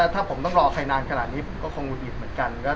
ถ้าผมต้องรอใครนานขนาดนี้ผมก็คงหุดหงิดเหมือนกัน